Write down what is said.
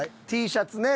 Ｔシャツね。